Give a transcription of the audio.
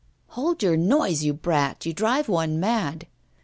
'Hold your noise, you brat! you drive one mad.